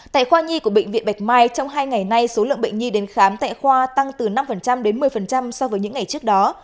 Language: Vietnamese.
tại khoa nhi của bệnh viện bạch mai trong hai ngày nay số lượng bệnh nhi đến khám tại khoa tăng từ năm đến một mươi so với những ngày trước đó